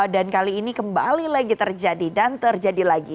dan kali ini kembali lagi terjadi dan terjadi lagi